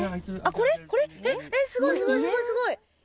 すごいすごいすごいすごい。